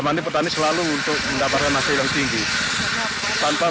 mandi petani selalu untuk mendapatkan hasil yang tinggi